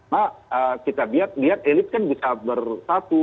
nah kita lihat elit kan bisa bersatu